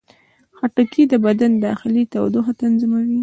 خټکی د بدن داخلي تودوخه تنظیموي.